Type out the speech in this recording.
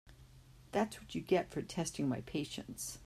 That’s what you get for testing my patience.